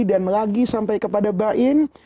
dan lagi sampai kepada bain